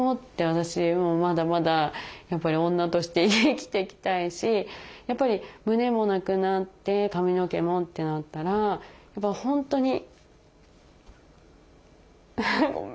私もまだまだやっぱり女として生きていきたいしやっぱり胸もなくなって髪の毛もってなったら本当に。